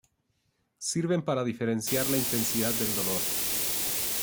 Sirven para diferenciar la intensidad de dolor.